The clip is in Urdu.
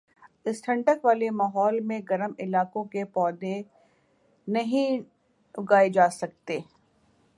اس ٹھنڈک والے ماحول میں گرم علاقوں کے پودے نہیں اگائے جاسکتے